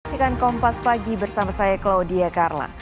terima kasih kan kompas pagi bersama saya claudia karla